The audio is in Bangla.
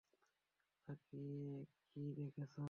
তাকিয়ে কী দেখছো?